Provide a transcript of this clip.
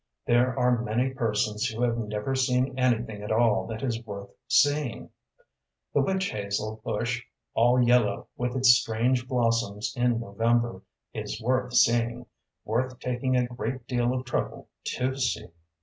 There are many persons who have never seen anything at all that is worth seeing. The witch hazel bush, all yellow with its strange blossoms in November, is worth seeing, worth taking a great deal of trouble to see.